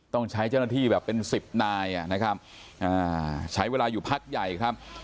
ต้องใช้เจ้าหน้าที่แบบเป็นสิบนายนะครับใช้เวลาอยู่พักใหญ่ครับ